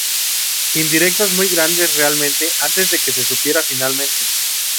Indirectas muy grandes realmente, antes de que se supiera finalmente.